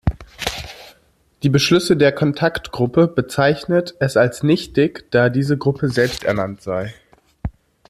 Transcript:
Die Beschlüsse der Kontaktgruppe bezeichnet es als nichtig, da diese Gruppe selbsternannt sei.